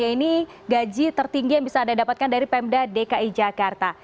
ini gaji tertinggi yang bisa anda dapatkan dari pemda dki jakarta